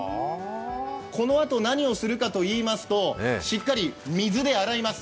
このあと何をするかといいますとしっかり水で洗います。